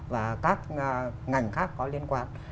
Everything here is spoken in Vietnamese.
và các ngành khác có liên quan